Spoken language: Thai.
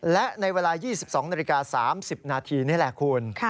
และในเวลา๒๒นาฬิกา๓๐นาทีนี่แหละคุณ